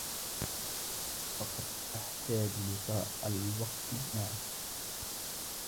فقط أحتاج لقاء الوقت معك.